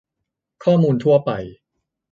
ข้อมูลทั่วไป